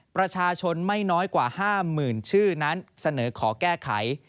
ประชาชนไม่น้อยกว่า๕๐๐๐ชื่อนั้นเสนอขอแก้ไข